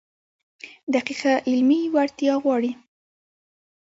دقیقه علمي وړتیا غواړي.